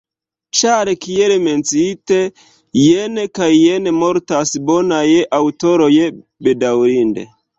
Ĉar, kiel menciite, jen kaj jen mortas bonaj aŭtoroj, bedaŭrinde.